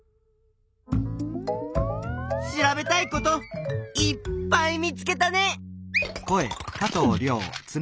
調べたいこといっぱい見つけたね。